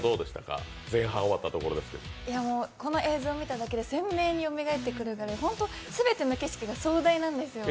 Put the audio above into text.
この映像を見たときに鮮明によみがえってくるので本当、全ての景色が壮大なんですよ。